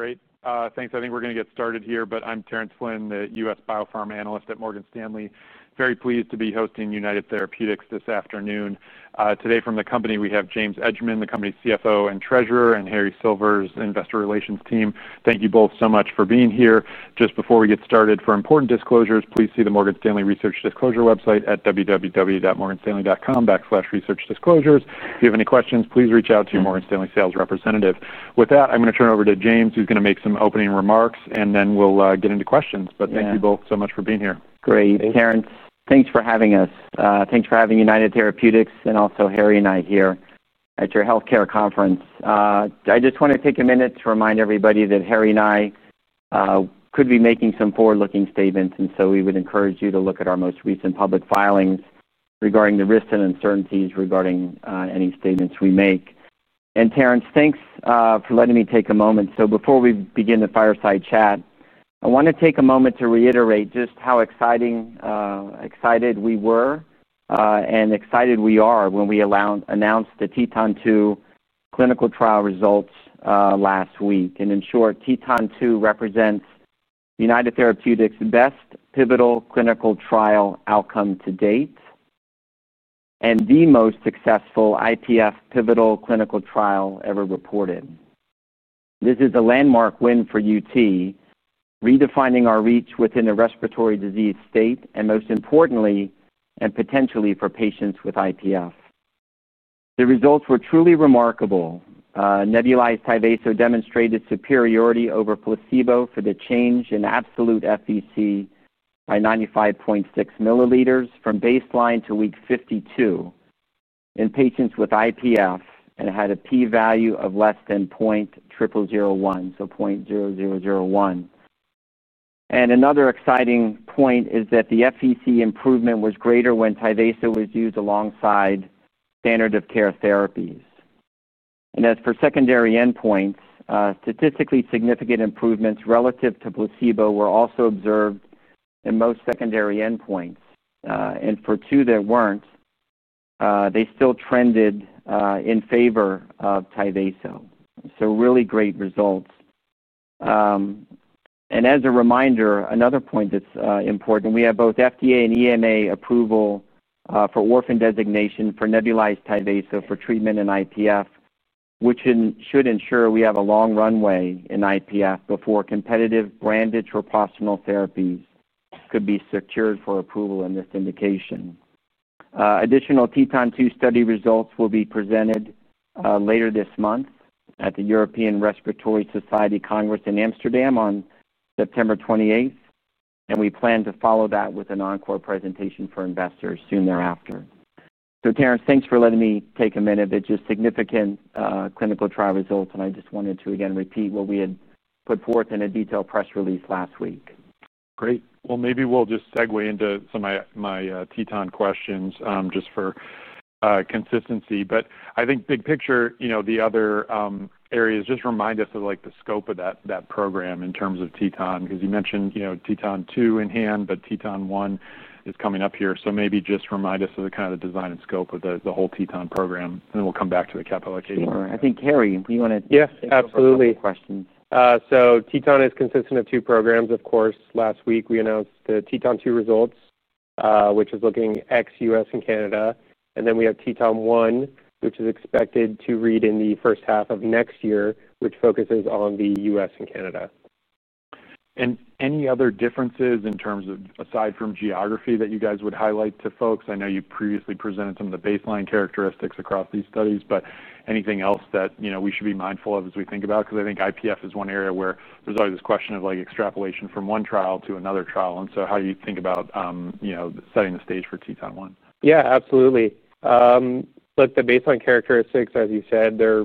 Great. Thanks. I think we're going to get started here, but I'm Terence Flynn, the U.S. Biopharma Analyst at Morgan Stanley. Very pleased to be hosting United Therapeutics this afternoon. Today, from the company, we have James Edgemond, the company's Chief Financial Officer and Treasurer, and Harry Silver, the Investor Relations team. Thank you both so much for being here. Just before we get started, for important disclosures, please see the Morgan Stanley research disclosure website at www.morganstanley.com/researchdisclosures. If you have any questions, please reach out to your Morgan Stanley sales representative. With that, I'm going to turn it over to James, who's going to make some opening remarks, and then we'll get into questions. Thank you both so much for being here. Great. Terence, thanks for having us. Thanks for having United Therapeutics and also Harry and I here at your health care conference. I just want to take a minute to remind everybody that Harry and I could be making some forward-looking statements, and we would encourage you to look at our most recent public filings regarding the risks and uncertainties regarding any statements we make. Terence, thanks for letting me take a moment. Before we begin the fireside chat, I want to take a moment to reiterate just how excited we were and excited we are when we announced the TETON-2 clinical trial results last week. In short, TETON-2 represents United Therapeutics' best pivotal clinical trial outcome to date and the most successful IPF pivotal clinical trial ever reported. This is a landmark win for United Therapeutics, redefining our reach within a respiratory disease state, and most importantly, and potentially for patients with IPF. The results were truly remarkable. Nebulized TYVASO demonstrated superiority over placebo for the change in absolute FVC by 95.6 mm from baseline to week 52 in patients with IPF and had a p-value of less than 0.0001, so 0.0001. Another exciting point is that the FVC improvement was greater when TYVASO was used alongside standard-of-care therapies. As for secondary endpoints, statistically significant improvements relative to placebo were also observed in most secondary endpoints. For two that weren't, they still trended in favor of TYVASO. Really great results. As a reminder, another point that's important, we have both FDA and EMA approval for orphan designation for nebulized TYVASO for treatment in IPF, which should ensure we have a long runway in IPF before competitive branded proportional therapies could be secured for approval in this indication. Additional TETON-2 study results will be presented later this month at the European Respiratory Society Congress in Amsterdam on September 28, and we plan to follow that with an encore presentation for investors soon thereafter. Terence, thanks for letting me take a minute. They're just significant clinical trial results, and I just wanted to, again, repeat what we had put forth in a detailed press release last week. Great. Maybe we'll just segue into some of my TETON questions just for consistency. I think big picture, you know the other areas, just remind us of the scope of that program in terms of TETON because you mentioned TETON-2 in hand, but TETON-1 is coming up here. Maybe just remind us of the kind of the design and scope of the whole TETON program, and then we'll come back to the Capella case. Sure. I think, Harry, you want to answer the question? Yes, absolutely. TETON is consisting of two programs, of course. Last week, we announced the TETON-2 results, which is looking at U.S. and Canada. We have TETON-1, which is expected to read in the first half of next year, which focuses on the U.S. and Canada. there any other differences in terms of, aside from geography, that you guys would highlight to folks? I know you previously presented some of the baseline characteristics across these studies, but anything else that you know we should be mindful of as we think about it? I think IPF is one area where there's always this question of extrapolation from one trial to another trial. How do you think about setting the stage for TETON-1? Yeah, absolutely. The baseline characteristics, as you said, they're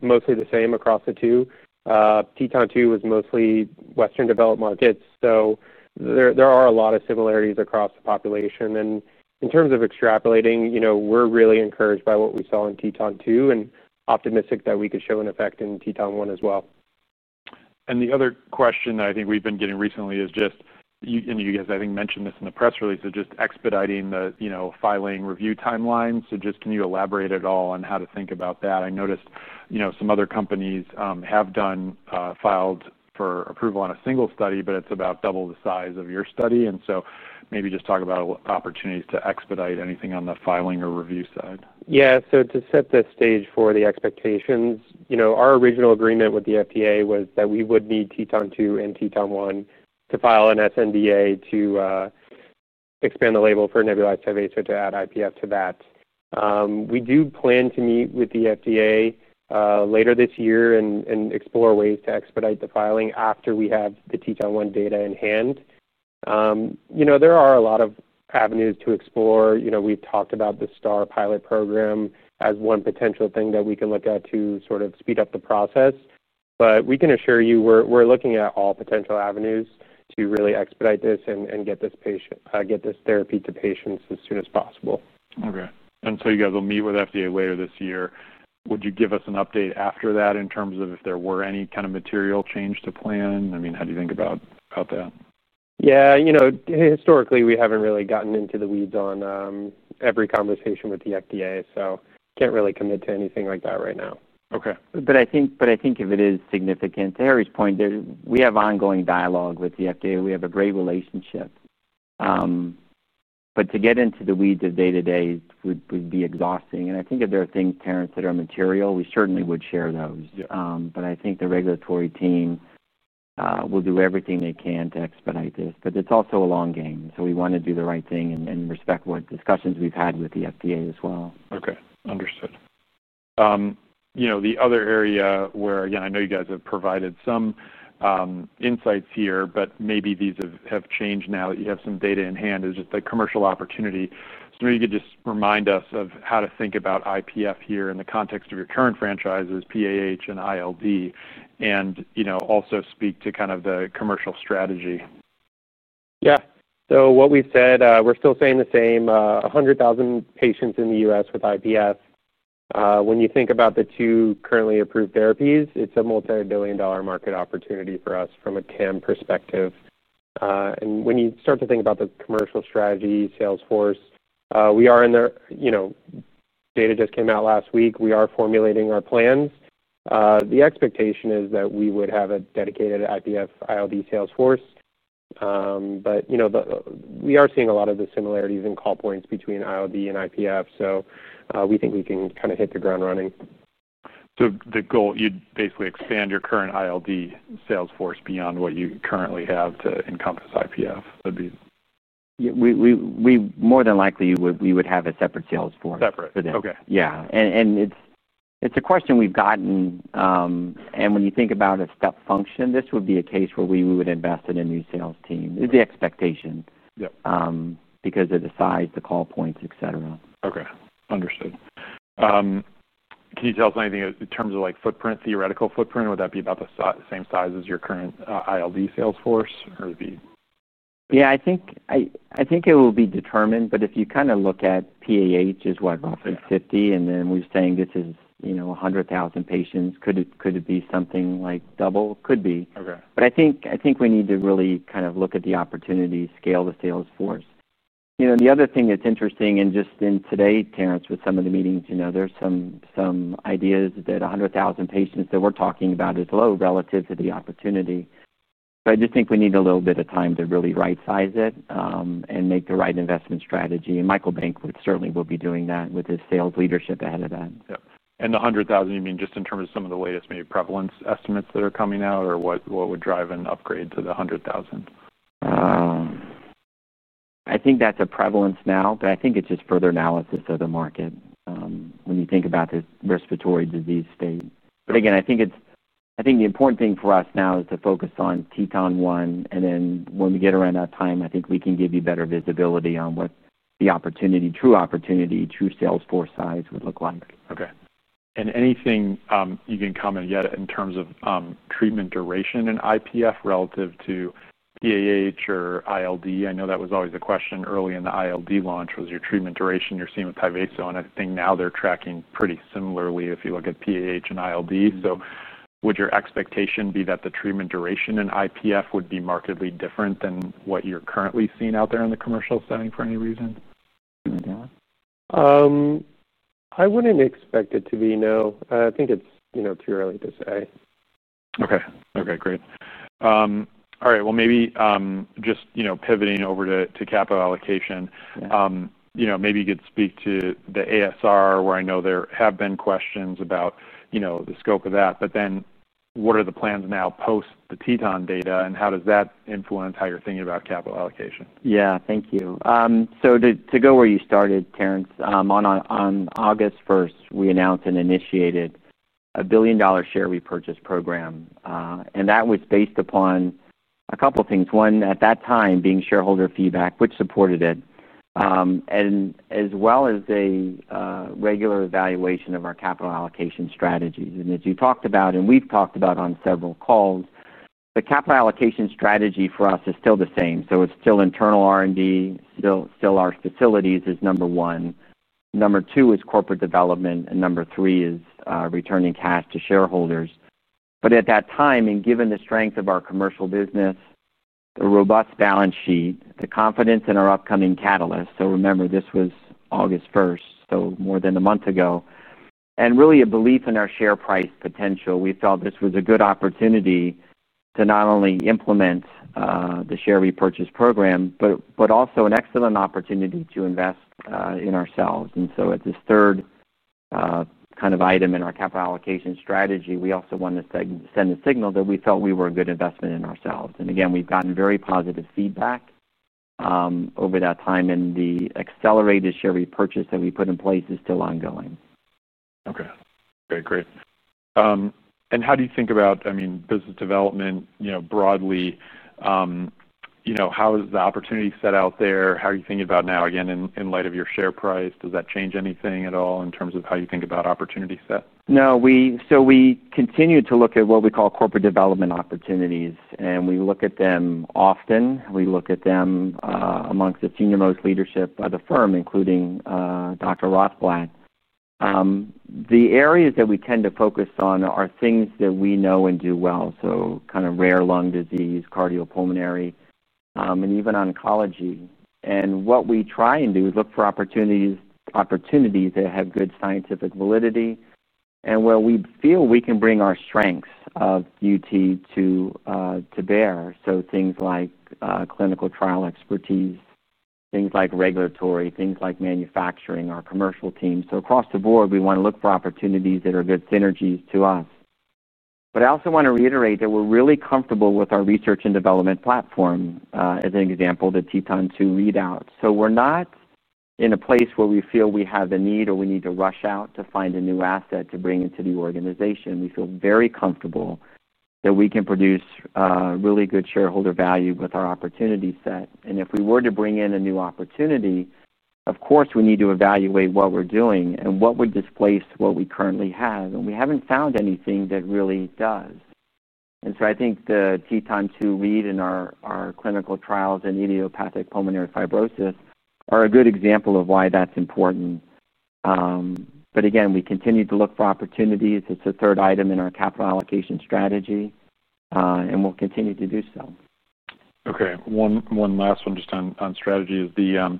mostly the same across the two. TETON-2 is mostly Western developed markets, so there are a lot of similarities across the population. In terms of extrapolating, we're really encouraged by what we saw in TETON-2 and optimistic that we could show an effect in TETON-1 as well. The other question that I think we've been getting recently is just, you know, you guys, I think, mentioned this in the press release, is just expediting the, you know, filing review timelines. Can you elaborate at all on how to think about that? I noticed some other companies have done files for approval on a single study, but it's about double the size of your study. Maybe just talk about opportunities to expedite anything on the filing or review side. Yeah. To set the stage for the expectations, our original agreement with the FDA was that we would need TETON 2 and TETON-1 to file an sNDA to expand the label for nebulized TYVASO to add IPF to that. We do plan to meet with the FDA later this year and explore ways to expedite the filing after we have the TETON-1 data in hand. There are a lot of avenues to explore. We've talked about the STAR pilot program as one potential thing that we can look at to sort of speed up the process. We can assure you we're looking at all potential avenues to really expedite this and get this therapy to patients as soon as possible. Okay. You guys will meet with the FDA later this year. Would you give us an update after that in terms of if there were any kind of material change to plan? How do you think about that? Yeah, you know, historically, we haven't really gotten into the weeds on every conversation with the FDA. I can't really commit to anything like that right now. Okay. I think if it is significant, to Harry's point, we have ongoing dialogue with the FDA. We have a great relationship. To get into the weeds of day-to-day would be exhausting. I think if there are things, Terence, that are material, we certainly would share those. I think the regulatory team will do everything they can to expedite this. It's also a long game. We want to do the right thing and respect what discussions we've had with the FDA as well. Okay. Understood. The other area where, again, I know you guys have provided some insights here, but maybe these have changed now that you have some data in hand, is just the commercial opportunity. Maybe you could just remind us of how to think about IPF here in the context of your current franchises, PAH and ILD, and also speak to kind of the commercial strategy. Yeah. So what we've said, we're still saying the same, 100,000 patients in the U.S. with IPF. When you think about the two currently approved therapies, it's a multibillion-dollar market opportunity for us from a CAM perspective. When you start to think about the commercial strategy, Salesforce, we are in there, you know, data just came out last week. We are formulating our plans. The expectation is that we would have a dedicated IPF/ILD Salesforce. You know, we are seeing a lot of the similarities in call points between ILD and IPF, so we think we can kind of hit the ground running. The goal, you'd basically expand your current ILD Salesforce beyond what you currently have to encompass IPF. That'd be. Yeah, we more than likely would have a separate Salesforce. Separate. Okay. Yeah, it's a question we've gotten. When you think about a step function, this would be a case where we would invest in a new sales team. It's the expectation because of the size, the call points, etc. Okay. Understood. Can you tell us anything in terms of footprint, theoretical footprint? Would that be about the same size as your current ILD Salesforce, or would it be? I think it will be determined. If you kind of look at PAH, is what? About 50. We're saying this is, you know, 100,000 patients. Could it be something like double? Could be. I think we need to really kind of look at the opportunity to scale the Salesforce. The other thing that's interesting, just in today, Terence, with some of the meetings, there's some ideas that 100,000 patients that we're talking about is low relative to the opportunity. I just think we need a little bit of time to really right-size it and make the right investment strategy. Michael Benkowitz certainly will be doing that with his sales leadership ahead of that. Yeah, the 100,000, you mean just in terms of some of the latest maybe prevalence estimates that are coming out, or what would drive an upgrade to the 100,000? I think that's a prevalence now, but I think it's just further analysis of the market when you think about the respiratory disease state. I think the important thing for us now is to focus on TETON-1, and then when we get around that time, I think we can give you better visibility on what the opportunity, true opportunity, true Salesforce size would look like. Okay. Anything you can comment yet in terms of treatment duration in IPF relative to PAH or ILD? I know that was always a question early in the ILD launch was your treatment duration you're seeing with TYVASO. I think now they're tracking pretty similarly if you look at PAH and ILD. Would your expectation be that the treatment duration in IPF would be markedly different than what you're currently seeing out there in the commercial setting for any reason? I wouldn't expect it to be, no. I think it's too early to say. Okay. Great. All right. Maybe, just, you know, pivoting over to capital allocation, you know, maybe you could speak to the accelerated share repurchase program where I know there have been questions about, you know, the scope of that. What are the plans now post the TETON data and how does that influence how you're thinking about capital allocation? Yeah. Thank you. To go where you started, Terence, on August 1, we announced and initiated a $1 billion share repurchase program. That was based upon a couple of things. One, at that time, being shareholder feedback, which supported it, as well as a regular evaluation of our capital allocation strategies. As you talked about and we've talked about on several calls, the capital allocation strategy for us is still the same. It's still internal R&D, still our facilities is number one. Number two is corporate development, and number three is returning cash to shareholders. At that time, given the strength of our commercial business, the robust balance sheet, the confidence in our upcoming catalyst—so remember, this was August 1st, so more than a month ago—and really a belief in our share price potential, we felt this was a good opportunity to not only implement the share repurchase program, but also an excellent opportunity to invest in ourselves. As this third item in our capital allocation strategy, we also wanted to send a signal that we felt we were a good investment in ourselves. Again, we've gotten very positive feedback over that time. The accelerated share repurchase that we put in place is still ongoing. Great. How do you think about, I mean, business development, you know, broadly, you know, how is the opportunity set out there? How are you thinking about now, again, in light of your share price? Does that change anything at all in terms of how you think about opportunity set? No. We continue to look at what we call corporate development opportunities, and we look at them often. We look at them amongst the junior-most leadership of the firm, including Dr. Rothblatt. The areas that we tend to focus on are things that we know and do well, so kind of rare lung disease, cardiopulmonary, and even oncology. What we try and do is look for opportunities that have good scientific validity and where we feel we can bring our strengths of United Therapeutics to bear. Things like clinical trial expertise, things like regulatory, things like manufacturing, our commercial team. Across the board, we want to look for opportunities that are good synergies to us. I also want to reiterate that we're really comfortable with our research and development platform, as an example, the TETON-2 readout. We're not in a place where we feel we have the need or we need to rush out to find a new asset to bring into the organization. We feel very comfortable that we can produce really good shareholder value with our opportunity set. If we were to bring in a new opportunity, of course, we need to evaluate what we're doing and what would displace what we currently have. We haven't found anything that really does. I think the TETON-2 read in our clinical trials in idiopathic pulmonary fibrosis are a good example of why that's important. Again, we continue to look for opportunities. It's a third item in our capital allocation strategy, and we'll continue to do so. Okay. One last one just on strategy is the,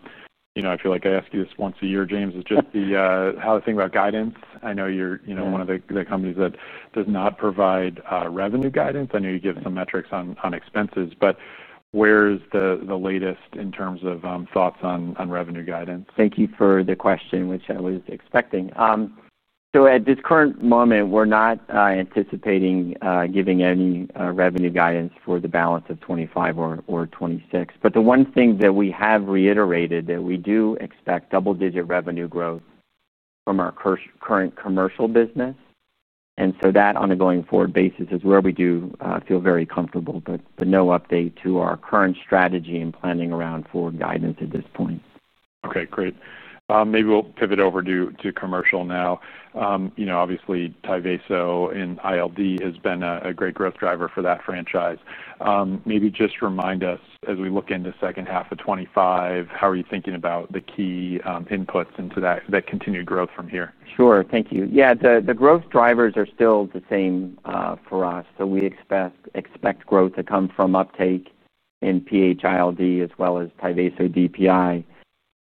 you know, I feel like I ask you this once a year, James, is just the, how to think about guidance. I know you're one of the companies that does not provide revenue guidance. I know you give some metrics on expenses, but where is the latest in terms of thoughts on revenue guidance? Thank you for the question, which I was expecting. At this current moment, we're not anticipating giving any revenue guidance for the balance of 2025 or 2026. The one thing that we have reiterated is that we do expect double-digit revenue growth from our current commercial business. That on a going forward basis is where we do feel very comfortable, but no update to our current strategy and planning around forward guidance at this point. Okay. Great. Maybe we'll pivot over to commercial now. Obviously, TYVASO and ILD has been a great growth driver for that franchise. Maybe just remind us as we look into the second half of 2025, how are you thinking about the key inputs into that continued growth from here? Sure. Thank you. The growth drivers are still the same for us. We expect growth to come from uptake in PAH/ILD as well as TYVASO DPI,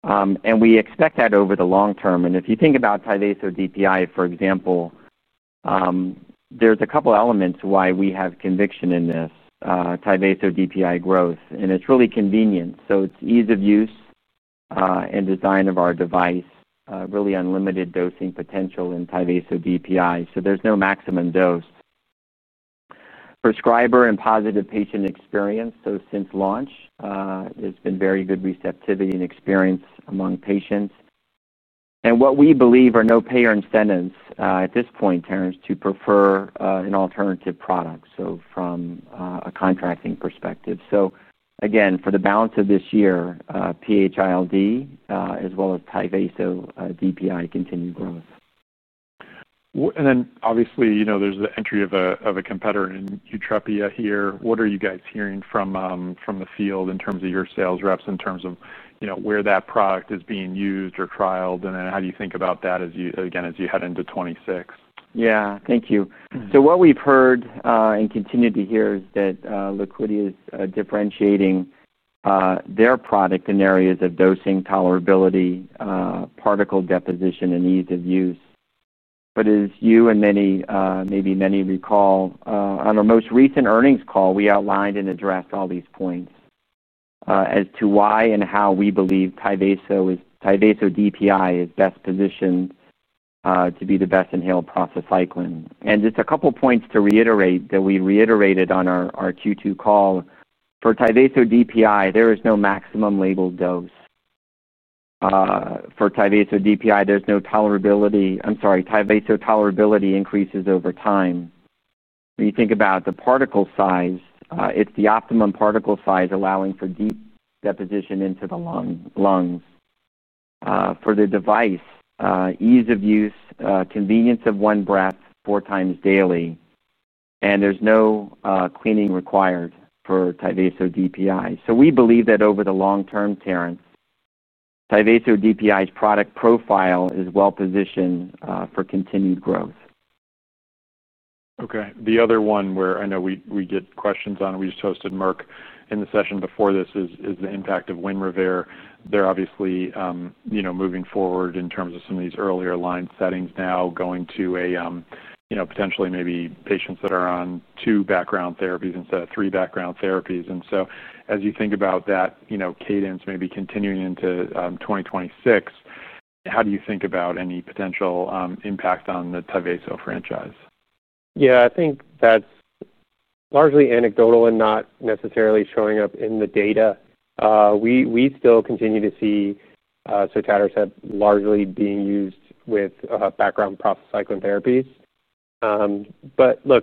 and we expect that over the long term. If you think about TYVASO DPI, for example, there's a couple of elements to why we have conviction in this TYVASO DPI growth. It's really convenient. It's ease of use and design of our device, really unlimited dosing potential in TYVASO DPI. There's no maximum dose. Prescriber and positive patient experience. Since launch, there's been very good receptivity and experience among patients. What we believe are no payer incentives at this point, Terence, to prefer an alternative product from a contracting perspective. For the balance of this year, PAH/ILD as well as TYVASO DPI continued growth. Obviously, you know, there's the entry of a competitor in Yutrepia here. What are you guys hearing from the field in terms of your sales reps, in terms of where that product is being used or trialed? How do you think about that as you head into 2026? Yeah. Thank you. What we've heard and continue to hear is that Liquidi is differentiating their product in areas of dosing, tolerability, particle deposition, and ease of use. As you and maybe many recall, on our most recent earnings call, we outlined and addressed all these points as to why and how we believe TYVASO DPI is best positioned to be the best inhaled prostacyclin. Just a couple of points to reiterate that we reiterated on our Q2 call. For TYVASO DPI, there is no maximum labeled dose. For TYVASO DPI, there's no tolerability—I'm sorry. TYVASO tolerability increases over time. When you think about the particle size, it's the optimum particle size allowing for deep deposition into the lungs. For the device, ease of use, convenience of one breath four times daily. There's no cleaning required for TYVASO DPI. We believe that over the long term, Terence, TYVASO DPI's product profile is well positioned for continued growth. Okay. The other one where I know we get questions on, and we just hosted Merck in the session before this, is the impact of WINREVAIR. They're obviously, you know, moving forward in terms of some of these earlier line settings now going to a, you know, potentially maybe patients that are on two background therapies instead of three background therapies. As you think about that cadence, maybe continuing into 2026, how do you think about any potential impact on the TYVASO franchise? Yeah. I think that's largely anecdotal and not necessarily showing up in the data. We still continue to see cytotoxicity largely being used with background prostacyclin therapies.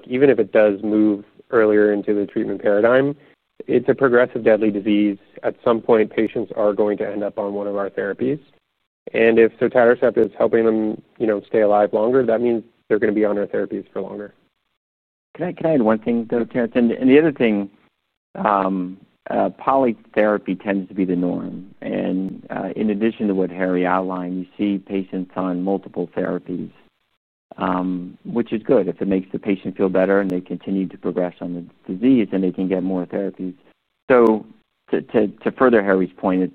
Even if it does move earlier into the treatment paradigm, it's a progressive deadly disease. At some point, patients are going to end up on one of our therapies. If cytotoxicity is helping them stay alive longer, that means they're going to be on our therapies for longer. Can I add one thing, though, Terence? The other thing, polytherapy tends to be the norm. In addition to what Harry outlined, you see patients on multiple therapies, which is good if it makes the patient feel better and they continue to progress on the disease and they can get more therapies. To further Harry's point,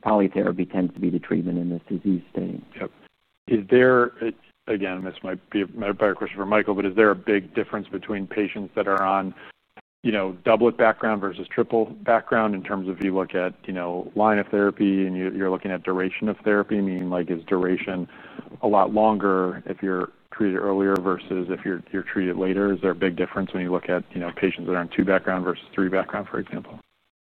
polytherapy tends to be the treatment in this disease stage. Is there, again, and this might be a better question for Michael, a big difference between patients that are on doublet background versus triple background in terms of if you look at line of therapy and you're looking at duration of therapy? Meaning, is duration a lot longer if you're treated earlier versus if you're treated later? Is there a big difference when you look at patients that are on two background versus three background, for example?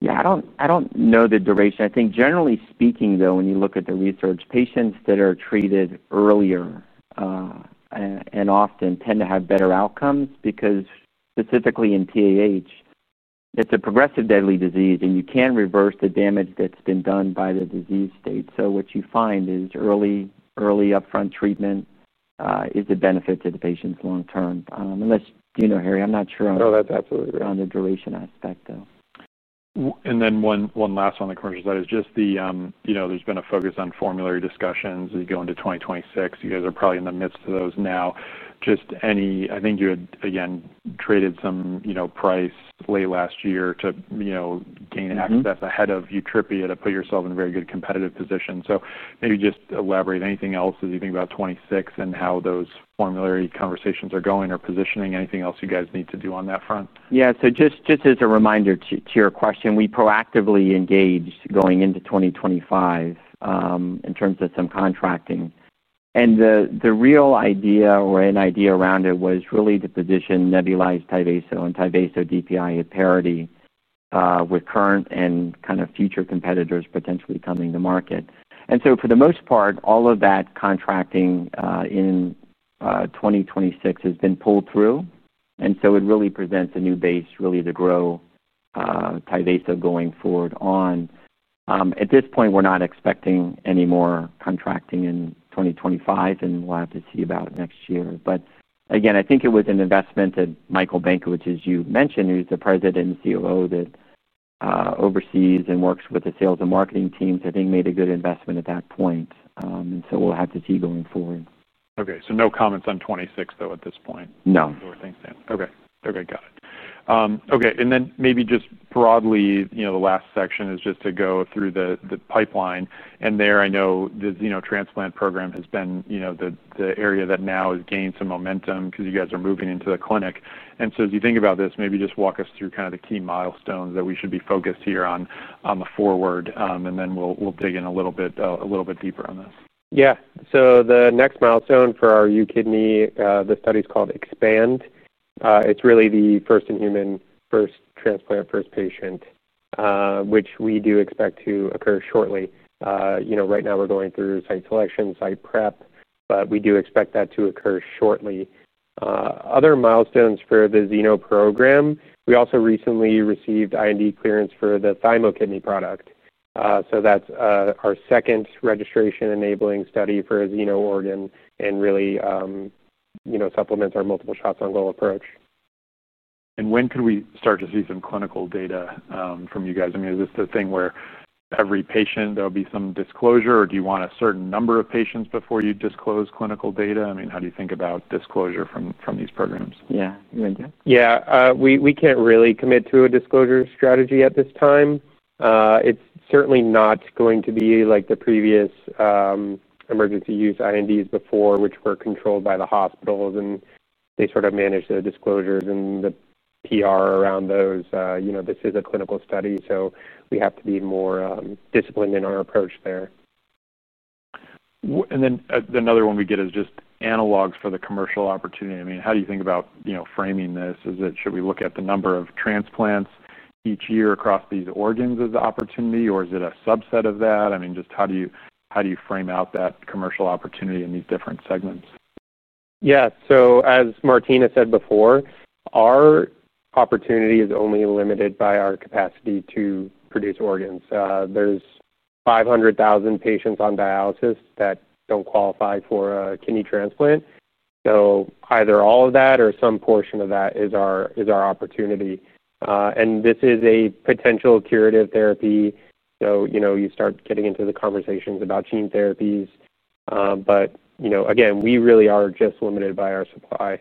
Yeah. I don't know the duration. I think generally speaking, though, when you look at the research, patients that are treated earlier and often tend to have better outcomes because specifically in PAH, it's a progressive deadly disease, and you can't reverse the damage that's been done by the disease state. What you find is early, upfront treatment is a benefit to the patients long term. Unless you know, Harry, I'm not sure on. No, that's absolutely great. On the duration aspect, though. One last on the commercial side is just, you know, there's been a focus on formulary discussions as you go into 2026. You guys are probably in the midst of those now. Just any, I think you had, again, traded some, you know, price late last year to, you know, gain access ahead of Yutrepia to put yourself in a very good competitive position. Maybe just elaborate. Anything else as you think about 2026 and how those formulary conversations are going or positioning? Anything else you guys need to do on that front? Yeah. Just as a reminder to your question, we proactively engaged going into 2025, in terms of some contracting. The real idea around it was really to position nebulized TYVASO and TYVASO DPI at parity with current and kind of future competitors potentially coming to market. For the most part, all of that contracting in 2026 has been pulled through. It really presents a new base to grow TYVASO going forward. At this point, we're not expecting any more contracting in 2025, and we'll have to see about it next year. I think it was an investment that Michael Benkowitz, as you mentioned, who's the President and COO that oversees and works with the sales and marketing team, made a good investment at that point. We'll have to see going forward. Okay. No comments on 2026, though, at this point? No. Okay. Got it. Okay. Maybe just broadly, the last section is just to go through the pipeline. I know the xenotransplant program has been the area that now has gained some momentum because you guys are moving into the clinic. As you think about this, maybe just walk us through the key milestones that we should be focused here on the forward, and then we'll dig in a little bit deeper on this. Yeah. The next milestone for our UKidney, the study is called EXPAND. It's really the first in human, first transplant, first patient, which we do expect to occur shortly. Right now we're going through site selection, site prep, but we do expect that to occur shortly. Other milestones for the xeno program, we also recently received IND clearance for the thymokidney product. That's our second registration enabling study for a xeno organ and really, you know, supplements our multiple shots on goal approach. When can we start to see some clinical data from you guys? I mean, is this the thing where every patient, there will be some disclosure, or do you want a certain number of patients before you disclose clinical data? How do you think about disclosure from these programs? Yeah, good. We can't really commit to a disclosure strategy at this time. It's certainly not going to be like the previous emergency use INDs before, which were controlled by the hospitals, and they sort of managed their disclosures and the PR around those. You know, this is a clinical study, so we have to be more disciplined in our approach there. Another one we get is just analogs for the commercial opportunity. I mean, how do you think about, you know, framing this? Is it, should we look at the number of transplants each year across these organs as the opportunity, or is it a subset of that? I mean, just how do you frame out that commercial opportunity in these different segments? Yeah. As Martine has said before, our opportunity is only limited by our capacity to produce organs. There's 500,000 patients on dialysis that don't qualify for a kidney transplant. Either all of that or some portion of that is our opportunity, and this is a potential curative therapy. You start getting into the conversations about gene therapies, but again, we really are just limited by our supply.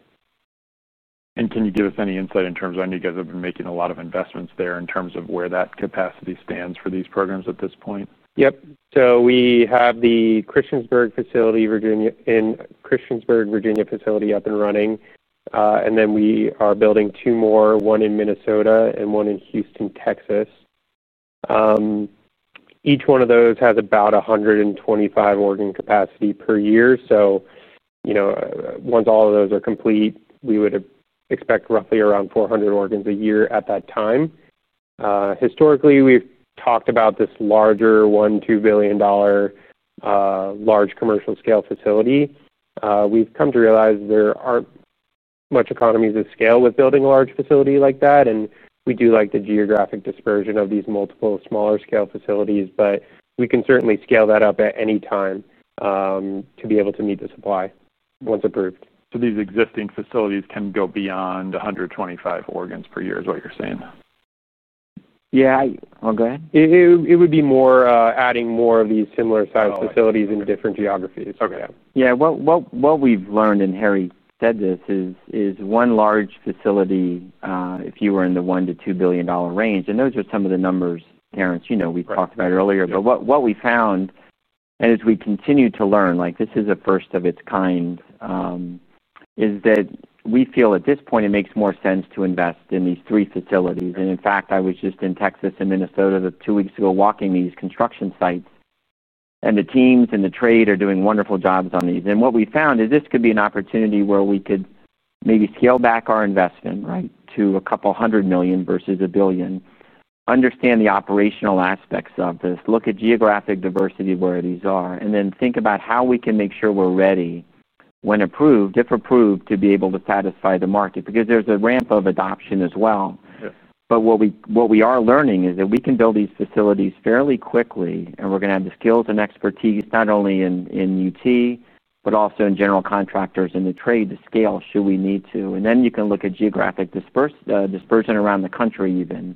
Can you give us any insight in terms of when you guys have been making a lot of investments there, in terms of where that capacity stands for these programs at this point? Yep. We have the Christiansburg facility in Virginia up and running, and then we are building two more, one in Minnesota and one in Houston, Texas. Each one of those has about 125 organ capacity per year. Once all of those are complete, we would expect roughly around 400 organs a year at that time. Historically, we've talked about this larger $1 billion -$2 billion large commercial-scale facility. We've come to realize there aren't much economies of scale with building a large facility like that. We do like the geographic dispersion of these multiple smaller-scale facilities, but we can certainly scale that up at any time to be able to meet the supply once approved. These existing facilities can go beyond 125 organs per year is what you're saying? Yeah. Oh, go ahead. It would be more, adding more of these similar-sized facilities in different geographies. Okay. What we've learned, and Harry said this, is one large facility, if you were in the $1 billion-$2 billion range, and those are some of the numbers, Terence, you know, we've talked about earlier. What we found, as we continue to learn, like this is a first of its kind, is that we feel at this point it makes more sense to invest in these three facilities. In fact, I was just in Texas and Minnesota two weeks ago walking these construction sites. The teams and the trade are doing wonderful jobs on these. What we found is this could be an opportunity where we could maybe scale back our investment to a couple hundred million versus a billion. Understand the operational aspects of this. Look at geographic diversity of where these are. Think about how we can make sure we're ready when approved, if approved, to be able to satisfy the market because there's a ramp of adoption as well. What we are learning is that we can build these facilities fairly quickly, and we're going to have the skills and expertise not only in UT, but also in general contractors in the trade to scale should we need to. You can look at geographic dispersion around the country even.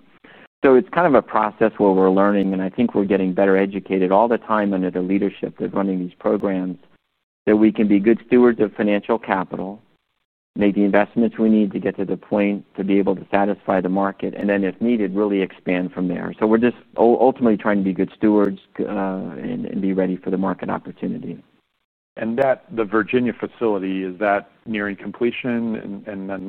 It's kind of a process where we're learning, and I think we're getting better educated all the time under the leadership that's running these programs that we can be good stewards of financial capital, make the investments we need to get to the point to be able to satisfy the market, and if needed, really expand from there. We're just ultimately trying to be good stewards, and be ready for the market opportunity. Is the Virginia facility nearing completion?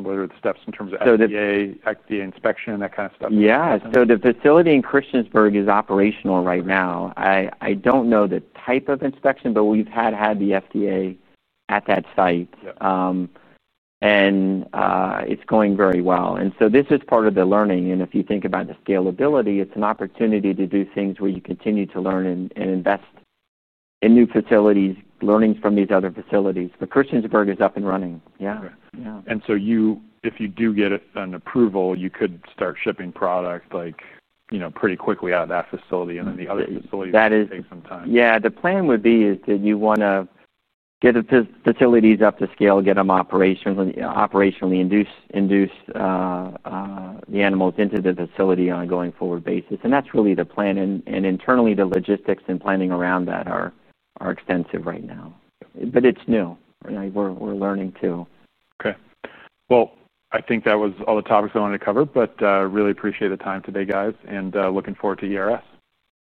What are the steps in terms of FDA inspection, that kind of stuff? Yeah. The facility in Christiansburg is operational right now. I don't know the type of inspection, but we've had the FDA at that site, and it's going very well. This is part of the learning. If you think about the scalability, it's an opportunity to do things where you continue to learn and invest in new facilities, learnings from these other facilities. Christiansburg is up and running. Yeah. If you do get an approval, you could start shipping product, like, you know, pretty quickly out of that facility, and then the other facilities take some time. Yeah. The plan would be that you want to get the facilities up to scale, get them operationally, induce the animals into the facility on a going forward basis. That's really the plan. Internally, the logistics and planning around that are extensive right now. It's new. You know, we're learning too. Okay. I think that was all the topics I wanted to cover. I really appreciate the time today, guys, and looking forward to your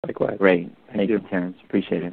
likewise. Great. Thank you, Terence. Appreciate it.